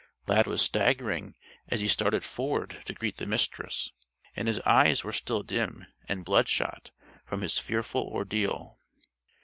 Lad was staggering as he started forward to greet the Mistress, and his eyes were still dim and bloodshot from his fearful ordeal.